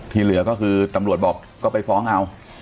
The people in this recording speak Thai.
เหลือก็คือตำรวจบอกก็ไปฟ้องเอา